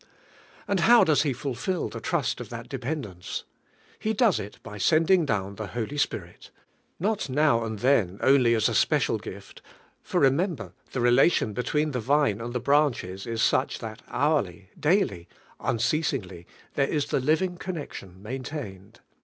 And how does He fulfil the trust of that dependence? no does it by send ing down the Holy Spirit— no! uov, and then only as a special gift, for remembei the relation between the vine and the branches is such dial hourly, daily, on AJZ IIITINK IIEAI.IKO. ceaslngiy, ( li.r <■ is the living connection maintained.